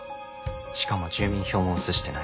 しかも住民票も移してない。